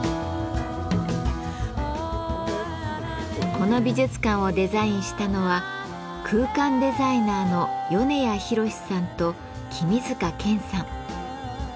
この美術館をデザインしたのは空間デザイナーの米谷ひろしさんと君塚賢さん。